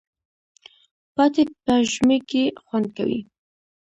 پاتې په ژمي کی خوندکوی